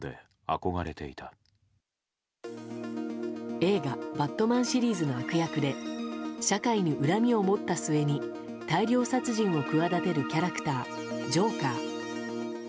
映画「バットマン」シリーズの悪役で社会に恨みを持った末に大量殺人を企てるキャラクタージョーカー。